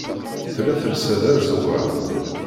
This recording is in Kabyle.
Tella telsa d azeggaɣ.